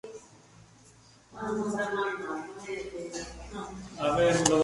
En la actualidad la mayor parte de los habitantes son de origen ruso.